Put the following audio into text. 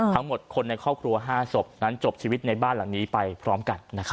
ทั้งหมดคนในครอบครัว๕ศพนั้นจบชีวิตในบ้านหลังนี้ไปพร้อมกัน